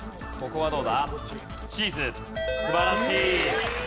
ここはどうだ？